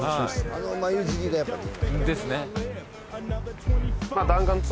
あの眉尻がやっぱ出ないとですね